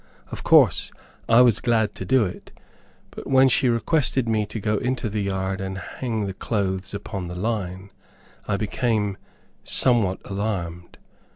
Of course I was glad to do it; but when she requested me to go into the yard and hang the clothes upon the line, I became somewhat alarmed.